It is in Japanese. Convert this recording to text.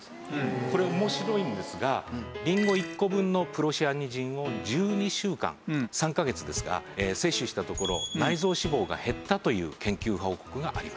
これ面白いんですがりんご１個分のプロシアニジンを１２週間３カ月ですが接種したところ内臓脂肪が減ったという研究報告があります。